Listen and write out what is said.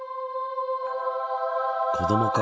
子どもか。